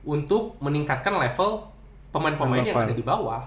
untuk meningkatkan level pemain pemain yang ada di bawah